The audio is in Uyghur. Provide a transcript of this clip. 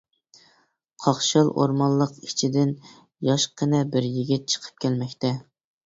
قاقشال ئورمانلىق ئىچىدىن ياشقىنە بىر يىگىت چىقىپ كەلمەكتە.